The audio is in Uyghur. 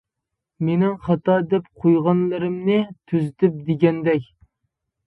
مېنىڭ خاتا دەپ قويغانلىرىمنى تۈزىتىپ دېگەندەك.